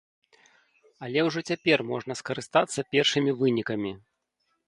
Але ўжо цяпер можна скарыстацца першымі вынікамі.